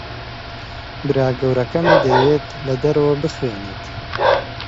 برا گەورەکەم دەیەوێت لە دەرەوە بخوێنێت.